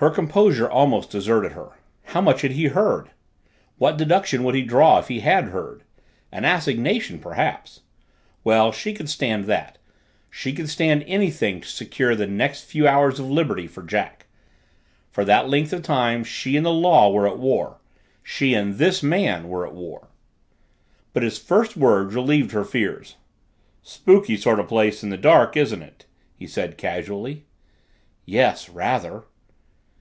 Her composure almost deserted her. How much had he heard? What deduction would he draw if he had heard? An assignation, perhaps! Well, she could stand that; she could stand anything to secure the next few hours of liberty for Jack. For that length of time she and the law were at war; she and this man were at war. But his first words relieved her fears. "Spooky sort of place in the dark, isn't it?" he said casually. "Yes rather."